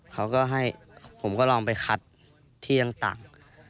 เขาก็ให้ผมก็ลองไปคัดที่ต่าง